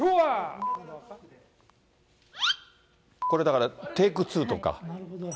これだから、テーク２とか。